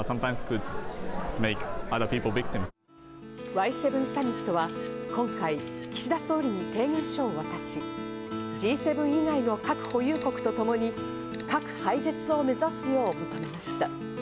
Ｙ７サミットは今回、岸田総理に提言書をわたし、Ｇ７以外の核保有国とともに核廃絶を目指すよう求めました。